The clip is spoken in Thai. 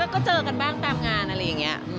ก็เจอกันบ้างตามงานอะไรอย่างนี้